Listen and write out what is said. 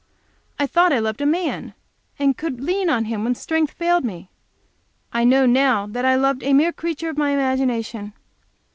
I thought I loved a man, and could lean on him when strength failed me; I know now that I loved a mere creature of my imagination.